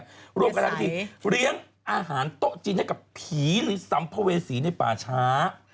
หรือที่เลี้ยงอาหารโต๊ะจีนให้กับผีหรือซ้ำพเวษีในป่าช้า